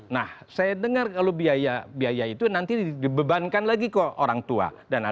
nah saya dengar kalau biaya itu nanti dibebankan lagi ke orang tua